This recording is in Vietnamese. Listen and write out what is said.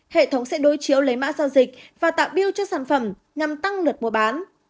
hệ thống sẽ đối chiếu lấy mã giao dịch và tạo biêu cho sản phẩm nhằm tăng lượt mua bán